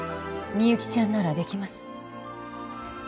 みゆきちゃんならできます